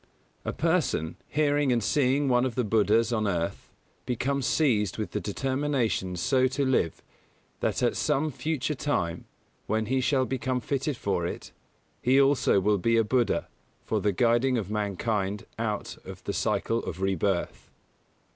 A person, hearing and seeing one of the Buddhas on earth, becomes seized with the determination so to live that at some future time, when he shall become fitted for it, he also will be a Buddha for the guiding of mankind out of the cycle of rebirth.